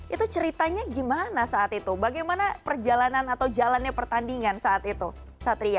itu ceritanya gimana saat itu bagaimana perjalanan atau jalannya pertandingan saat itu satria